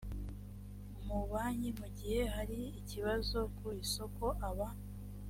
mabanki mu gihe hari ibibazo ku isoko aba